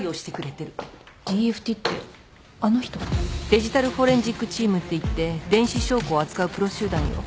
デジタル・フォレンジック・チームっていって電子証拠を扱うプロ集団よ。